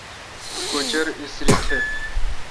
کُچَر اسری تھہ۔